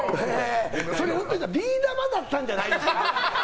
ひょっとしたらビー玉だったんじゃないですか？